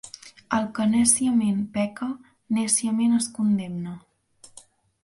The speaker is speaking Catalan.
El que nèciament peca, nèciament es condemna.